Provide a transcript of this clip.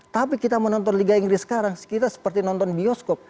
tapi kita menonton liga inggris sekarang kita seperti nonton bioskop